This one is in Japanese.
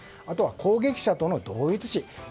あとは攻撃者との同一視。